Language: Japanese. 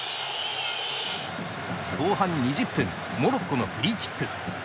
後半２０分モロッコのフリーキック。